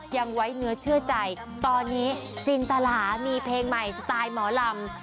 ยังไว้เนื้อเชื่อใจตอนนี้จินตลามีเพลงใหม่สไตล์หมอลำ